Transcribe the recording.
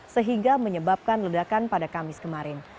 sehingga menyebabkan ledakan pada kamis kemarin